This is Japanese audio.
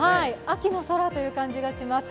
秋の空という感じがします。